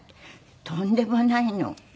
とんでもないの。